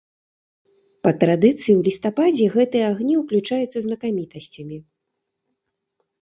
Па традыцыі ў лістападзе гэтыя агні ўключаюцца знакамітасцямі.